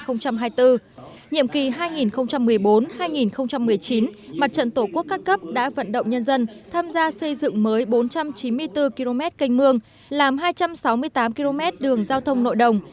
nhiệm kỳ hai nghìn một mươi bốn hai nghìn một mươi chín mặt trận tổ quốc các cấp đã vận động nhân dân tham gia xây dựng mới bốn trăm chín mươi bốn km canh mương làm hai trăm sáu mươi tám km đường giao thông nội đồng